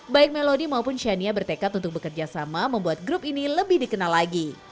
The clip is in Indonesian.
baik melodi maupun shania bertekad untuk bekerja sama membuat grup ini lebih dikenal lagi